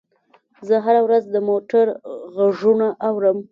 زه هره ورځ د موټر غږونه اورم.